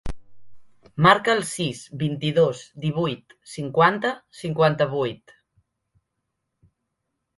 Marca el sis, vint-i-dos, divuit, cinquanta, cinquanta-vuit.